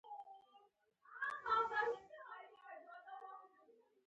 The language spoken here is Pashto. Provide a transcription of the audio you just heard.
د بشري حقونو په برخه کې ستاسو نظر څه دی.